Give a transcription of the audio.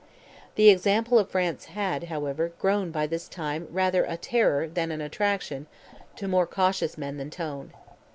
The example of France had, however, grown by this time rather a terror than an attraction to more cautious men than Tone.